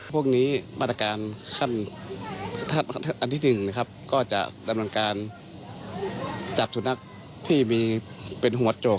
พวกนี้มาตรการขั้นที่๑นะครับก็จะดำเนินการจับสุนัขที่มีเป็นหัวโจก